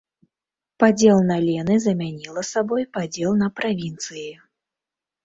Падзел на лены замяніла сабой падзел на правінцыі.